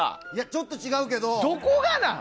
ちょっと違うけど。